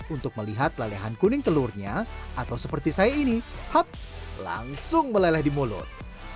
untuk melihat lelehan kuning telurnya atau seperti saya ini happ langsung meleleh di mulut